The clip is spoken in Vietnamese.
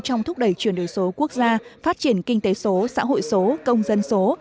trong thúc đẩy chuyển đổi số quốc gia phát triển kinh tế số xã hội số công dân số